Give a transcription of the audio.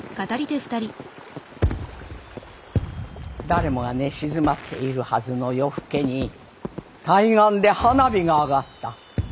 「誰もが寝静まっているはずの夜更けに対岸で花火が上がった。